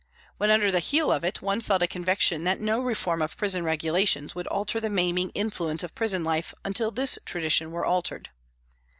When under the heel of it, one felt a conviction that no reform of prison regula tions would alter the maiming influence of prison life until this tradition were altered.